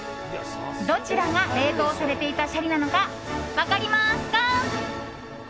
どちらが冷凍されていたシャリなのか分かりますか？